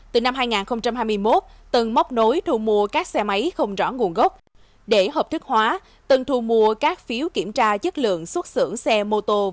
từ năm hai nghìn hai mươi một tân móc nối thu mua các xe máy không rõ nguồn gốc để hợp thức hóa tân thu mua các phiếu kiểm tra chất lượng xuất xưởng xe mô tô